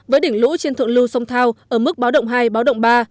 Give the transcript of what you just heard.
với đỉnh lũ trên thượng lưu sông thao ở mức báo động hai báo động ba